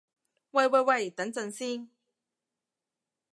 喂喂喂，等陣先